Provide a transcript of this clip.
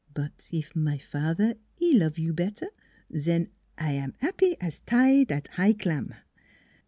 ... But 'f my fat'er e' love you bettaire zen I am 'appy as tide at 'igh clam!